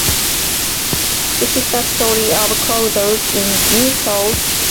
This is the story of Closers in New Seoul.